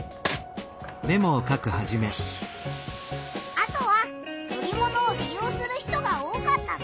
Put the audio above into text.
あとは乗り物をり用する人が多かったぞ！